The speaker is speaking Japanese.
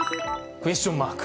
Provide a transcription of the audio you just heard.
クエスチョンマーク。